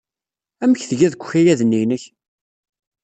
Amek tgiḍ deg ukayad-nni inek?